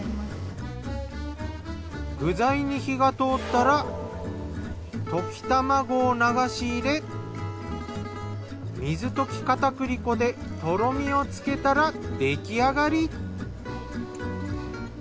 具材に火が通ったら溶き卵を流し入れ水溶き片栗粉でとろみをつけたら出来上がり。